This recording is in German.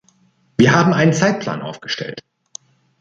Wir haben einen Zeitplan aufgestellt.